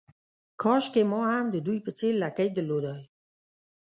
کاشکې ما هم د دوی په څېر لکۍ درلودای.